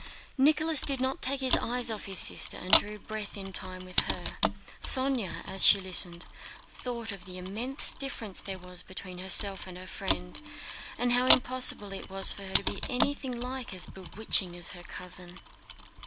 Nicholas did not take his eyes off his sister and drew breath in time with her. Sónya, as she listened, thought of the immense difference there was between herself and her friend, and how impossible it was for her to be anything like as bewitching as her cousin.